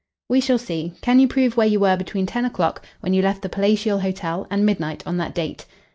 "We shall see. Can you prove where you were between ten o'clock, when you left the Palatial Hotel, and midnight on that date?"